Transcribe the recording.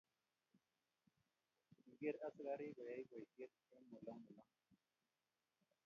Kiker askarik koyoe boisiet eng olo olo